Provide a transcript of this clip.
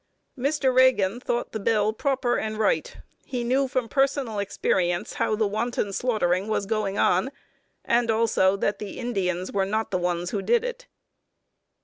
Mr. Reagan thought the bill proper and right. He knew from personal experience how the wanton slaughtering was going on, and also that the Indians were not the ones who did it.